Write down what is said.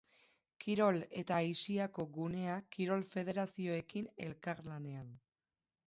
Kirol eta aisiako gunea kirol-federazioekin elkarlanean.